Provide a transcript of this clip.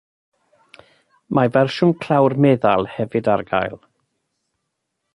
Mae fersiwn clawr meddal hefyd ar gael.